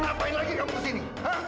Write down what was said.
ngapain lagi kamu kesini